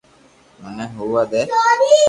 منو ھووا دي